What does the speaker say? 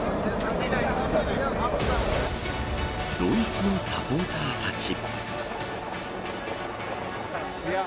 ドイツのサポーターたち。